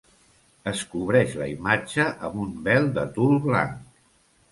Es cobreix la imatge amb un vel de tul blanc.